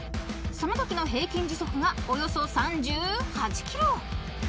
［そのときの平均時速がおよそ３８キロ］